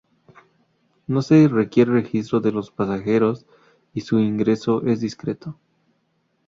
No se requiere registro de los pasajeros, y su ingreso es discreto.